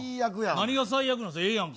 何が最悪なんですか、ええやんか。